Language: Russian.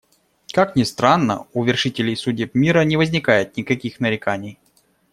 Как ни странно, у вершителей судеб мира не возникает никаких нареканий.